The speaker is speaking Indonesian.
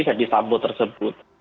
fede sambo tersebut